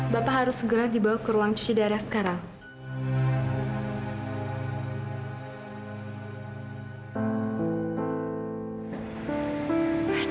bapak harus segera dibawa ke ruang cuci darah sekarang